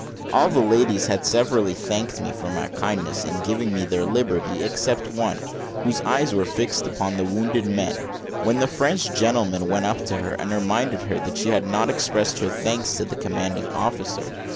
All the ladies had severally thanked me for my kindness in giving them their liberty, except one, whose eyes were fixed upon the wounded men, when the French gentleman went up to her, and reminded her that she had not expressed her thanks to the commanding officer.